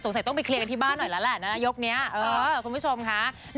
ต้องไปเคลียร์กันที่บ้านหน่อยแล้วแหละนะยกนี้คุณผู้ชมค่ะ